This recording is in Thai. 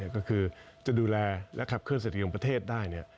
ก็คือจะดูแลและขับเคลื่อเศรษฐกิจของประเทศได้